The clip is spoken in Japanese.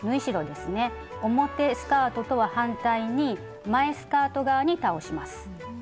表スカートとは反対に前スカート側に倒します。